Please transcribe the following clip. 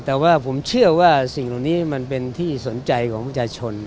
แต่ว่าผมเชื่อว่าสิ่งเหล่านี้มันเป็นที่สนใจของประชาชน